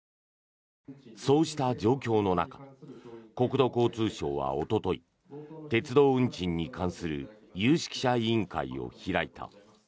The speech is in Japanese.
そうした状況の中国土交通省はおととい鉄道運賃に関する有識者委員会を開いた。